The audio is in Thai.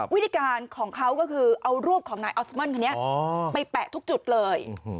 วิธีการของเขาก็คือเอารูปของนายออสเมิลคนนี้ไปแปะทุกจุดเลย